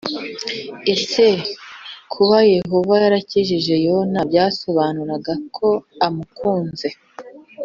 Ese kuba Yehova yarakijije Yona byasobanuraga ko amukunze